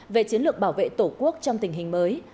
về chiến lược bảo vệ tổ quốc trong tình hình mới